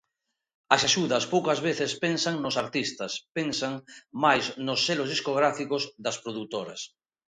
As axudas poucas veces pensan nos artistas, pensan máis nos selos discográficos das produtoras.